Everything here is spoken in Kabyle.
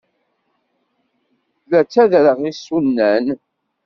La ttadreɣ isunan.